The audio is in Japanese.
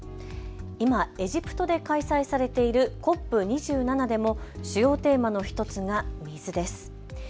今エジプトで開催されているＣＯＰ２７でも主要テーマの１つが水です。